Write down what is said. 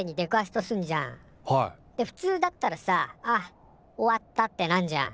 でふつうだったらさ「ああ終わった」ってなんじゃん。